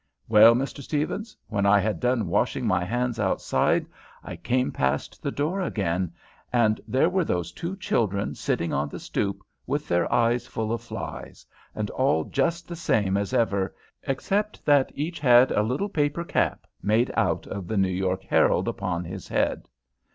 Well, Mr. Stephens, when I had done washing my hands outside, I came past the door again, and there were those two children sitting on the stoop with their eyes full of flies, and all just the same as ever, except that each had a little paper cap made out of the New York Herald upon his head.